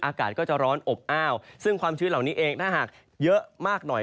อากาศก็จะร้อนอบอ้าวซึ่งความชื้นเหล่านี้เองถ้าหากเยอะมากหน่อย